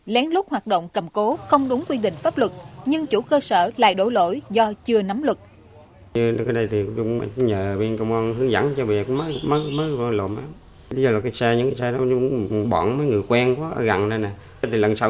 lén lút hoạt động cầm cố không đúng quy định pháp luật nhưng chủ cơ sở lại đổ lỗi do chưa nắm luật